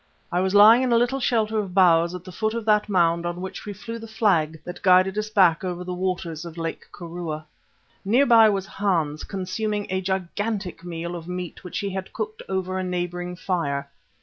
I was lying in a little shelter of boughs at the foot of that mound on which we flew the flag that guided us back over the waters of the Lake Kirua. Near by was Hans consuming a gigantic meal of meat which he had cooked over a neighbouring fire.